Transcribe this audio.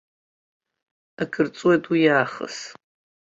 Акыр ҵуеит уиаахыс.